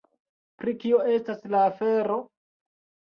Pri kio estas la afero?